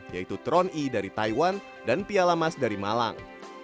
yaitu tron i dari taiwan dan piala mas dari malang